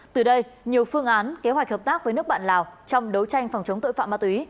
từ đây nhiều phương án kế hoạch hợp tác với nước bạn lào trong đấu tranh phòng chống tội phạm ma túy